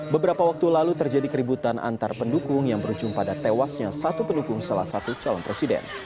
beberapa waktu lalu terjadi keributan antar pendukung yang berujung pada tewasnya satu pendukung salah satu calon presiden